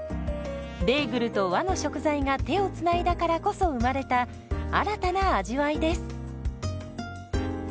ベーグルと和の食材が手をつないだからこそ生まれた新たな味わいです。